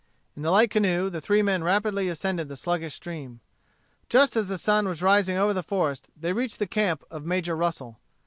In the light canoe the three men rapidly ascended the sluggish stream. Just as the sun was rising over the forest, they reached the camp of Major Russell.